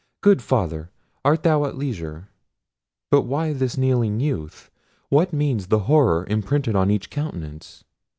"Good Father, art thou at leisure?—but why this kneeling youth? what means the horror imprinted on each countenance?